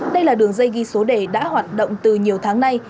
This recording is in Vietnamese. đây là đường dây ghi số đề đã hoạt động từ nhiều tháng nay